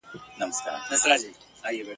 چي د سپوږمۍ په شپه له لیري یکه زار اورمه !.